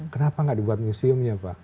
kenapa tidak dibuat museumnya pak